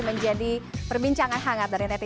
mereka berada di barat